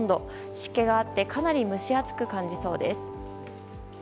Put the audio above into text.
湿気があってかなり蒸し暑く感じそうです。